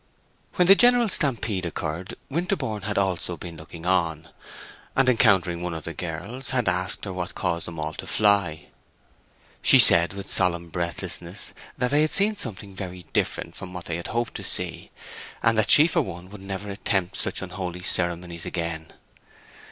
When the general stampede occurred Winterborne had also been looking on, and encountering one of the girls, had asked her what caused them all to fly. She said with solemn breathlessness that they had seen something very different from what they had hoped to see, and that she for one would never attempt such unholy ceremonies again.